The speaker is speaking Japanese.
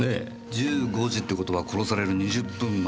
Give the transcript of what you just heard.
「１５時」って事は殺される２０分前。